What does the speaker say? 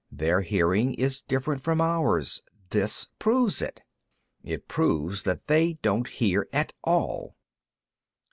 "Their hearing is different from ours. This proves it. "It proves that they don't hear at all."